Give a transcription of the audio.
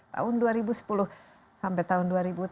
tahun dua ribu sepuluh sampai tahun dua ribu tiga belas